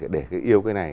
để yêu cái này